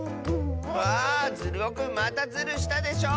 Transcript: わあズルオくんまたズルしたでしょ！